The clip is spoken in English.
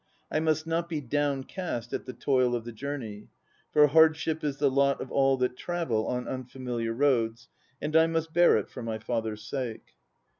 I must not be downcast at the toil of the journey; 8 for hardship is the lot of all that travel on unfamiliar roads, and I must bear it for my father's sake.